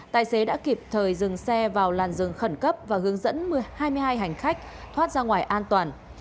tài xế đã kịp thời dừng xe vào làn rừng khẩn cấp và hướng dẫn hai mươi hai hành khách thoát ra ngoài an toàn